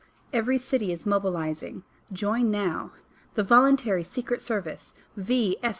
• Every City is Mobilizing— Join Now The Voluntary Secret Service — V.